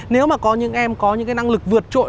nếu có những em có năng lực vượt trội